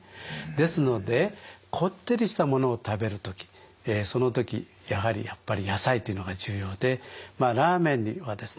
ですのでこってりしたものを食べる時その時やはり野菜というのが重要でラーメンはですね